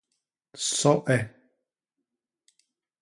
So e.